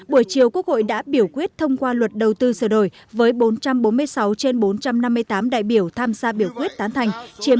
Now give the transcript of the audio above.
buổi chiều quốc hội đã biểu quyết thông qua luật đầu tư sửa đổi với bốn trăm bốn mươi sáu trên bốn trăm năm mươi tám đại biểu tham gia biểu quyết tán thành